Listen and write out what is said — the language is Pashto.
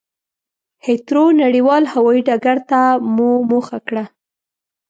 هېترو نړېوال هوایي ډګرته مو مخه کړه.